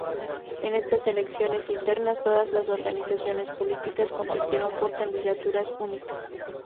En estas elecciones internas, todas las organizaciones políticas compitieron por candidaturas únicas.